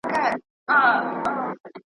له سهاره راته ناست پر تش دېګدان دي .